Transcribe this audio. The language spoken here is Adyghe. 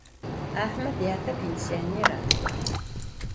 Ahmed yate pênsionêra?